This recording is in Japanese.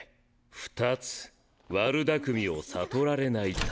２つ悪だくみを悟られないため。